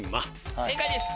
正解です。